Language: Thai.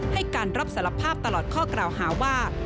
ให้การรับสารภาพตลอดข้อกล่าวหาว่า